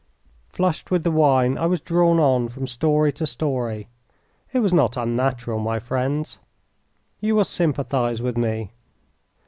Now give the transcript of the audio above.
Flushed with the wine, I was drawn on from story to story. It was not unnatural, my friends. You will sympathise with me.